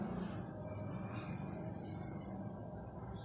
มีเวลาเมื่อเวลาเมื่อเวลา